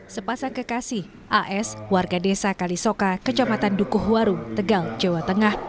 sepasang kekasih as warga desa kalisoka kecamatan dukuhwaru tegal jawa tengah